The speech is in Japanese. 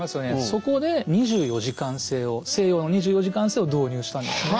そこで２４時間制を西洋の２４時間制を導入したんですね。